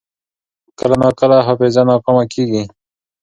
کله ناکله حافظه ناکامه کېږي.